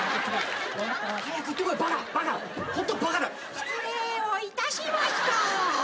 失礼をいたしました。